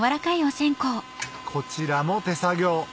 こちらも手作業